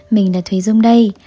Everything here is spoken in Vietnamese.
mình là thúy dung đây